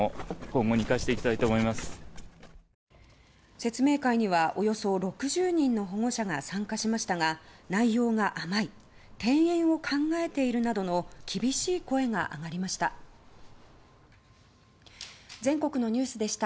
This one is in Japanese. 説明会にはおよそ６０人の保護者が参加しましたが内容が甘い、転園を考えているなどの厳しい声が上がりました。